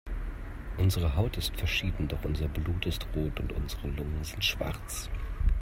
Unsere Haut ist verschieden, doch unser Blut ist rot und unsere Lungen sind schwarz.